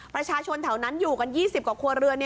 ประชาชนแถวนั้นอยู่กัน๒๐กว่าครัวเรือน